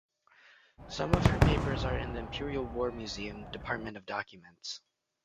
Some of her papers are in the Imperial War Museum Department of Documents.